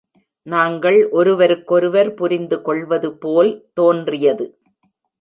நாங்கள் ஒருவருக்கொருவர் புரிந்துகொள்வது போல் தோன்றியது.